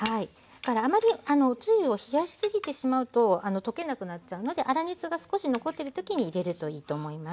あまりおつゆを冷やしすぎてしまうと溶けなくなっちゃうので粗熱が少し残ってる時に入れるといいと思います。